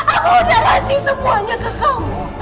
aku udah kasih semuanya ke kamu